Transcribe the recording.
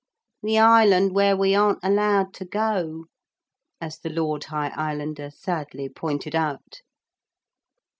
'The island where we aren't allowed to go,' as the Lord High Islander sadly pointed out.